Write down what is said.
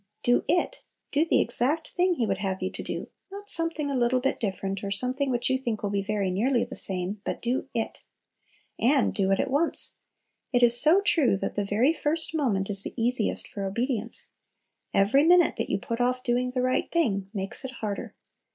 "Do it!" Do the exact thing He would have you do, not something a little bit different, or something which you think will be very nearly the same, but do "it." And "do it" at once. It is so true, that "the very first moment is the easiest for obedience." Every minute that you put off doing the right thing makes it harder.